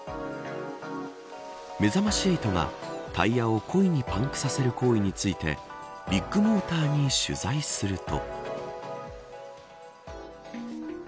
めざまし８は、タイヤを故意にパンクさせる行為についてビッグモーターに取材すると。